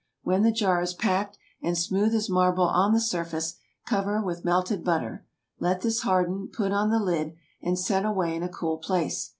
When the jar is packed, and smooth as marble on the surface, cover with melted butter. Let this harden, put on the lid, and set away in a cool place.